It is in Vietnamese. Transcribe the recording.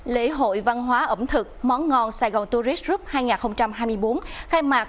lễ hội văn hóa ẩm thực món ngon saigon tourist group hai nghìn hai mươi bốn khai mạc